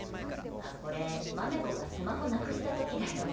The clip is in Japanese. これ、まめこがスマホなくした時だよ。